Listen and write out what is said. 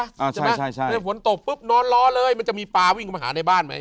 ใช่ไหมใช่ใช่ฝนตกปุ๊บนอนรอเลยมันจะมีปลาวิ่งเข้ามาหาในบ้านไหม